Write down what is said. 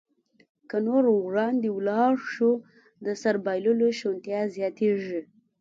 که نور وړاندې ولاړ شو، د سر بایللو شونتیا زیاتېږي.